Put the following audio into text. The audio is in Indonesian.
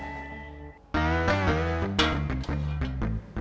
dari tadi motong ga selesai selesai